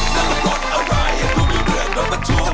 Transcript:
นั่นมันรถอะไรดูไม่เหมือนรถประทุก